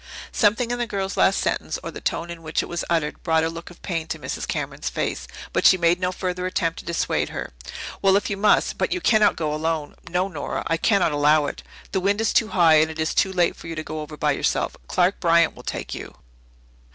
Something in the girl's last sentence or the tone in which it was uttered brought a look of pain to Mrs. Cameron's face. But she made no further attempt to dissuade her. "Well, if you must. But you cannot go alone no, Nora, I cannot allow it. The wind is too high and it is too late for you to go over by yourself. Clark Bryant will take you."